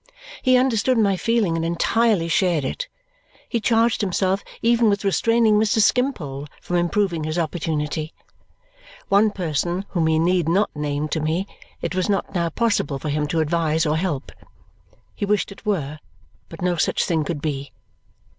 He understood my feeling and entirely shared it. He charged himself even with restraining Mr. Skimpole from improving his opportunity. One person whom he need not name to me, it was not now possible for him to advise or help. He wished it were, but no such thing could be.